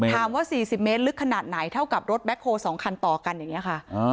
ถามว่า๔๐เมตรลึกขนาดไหนเท่ากับรถแบ็คโฮ๒คันต่อกันอย่างนี้ค่ะ